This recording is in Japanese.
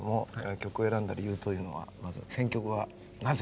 曲を選んだ理由というのは選曲はなぜ？